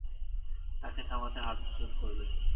তাকে থামাতে হাতজোড় করবে।